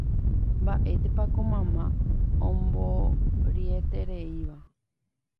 mba'étepa ko mama omboroitereíva